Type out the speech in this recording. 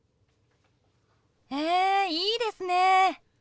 へえいいですね。